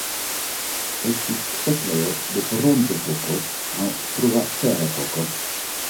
Estis setlejo de Bronzepoko aŭ frua Ferepoko.